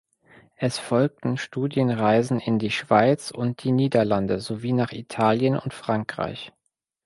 Es folgten Studienreisen in die Schweiz und die Niederlande sowie nach Italien und Frankreich.